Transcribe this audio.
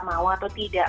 mau atau tidak